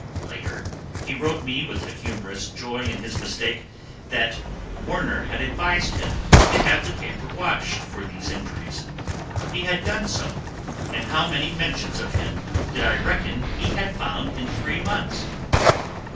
Later, he wrote me with a humorous joy in his mistake that Warner had advised him to have the paper watched for these injuries. He had done so, and how many mentions of him did I reckon he had found in three months?